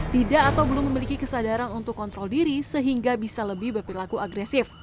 tidak atau belum memiliki kesadaran untuk kontrol diri sehingga bisa lebih berperilaku agresif